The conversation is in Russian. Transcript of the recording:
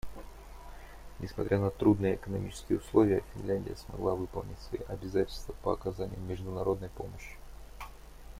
Несмотря на трудные экономические условия, Финляндия смогла выполнить свои обязательства по оказанию международной помощи.